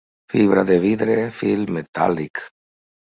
Fibra de vidre, Fil metàl·lic.